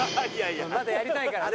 まだやりたいからね。